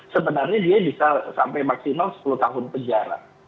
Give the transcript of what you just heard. sebenarnya dia bisa sampai maksimal sepuluh tahun penjara